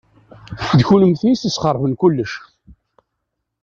D kennemti i yesxeṛben kullec.